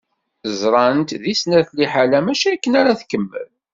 Ẓrant di snat liḥala mačči akken ara tkemmel.